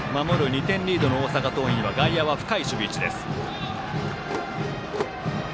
２点リードの大阪桐蔭は外野は深い守備位置です。